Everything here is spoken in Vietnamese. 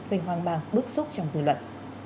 gây hoang mang bức xúc trong dư luận